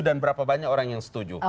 dan berapa banyak orang yang setuju